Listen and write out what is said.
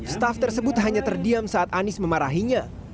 staff tersebut hanya terdiam saat anies memarahinya